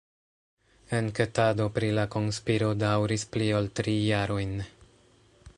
Enketado pri la konspiro daŭris pli ol tri jarojn.